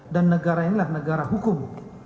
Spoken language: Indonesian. dan negara ini adalah negara hukum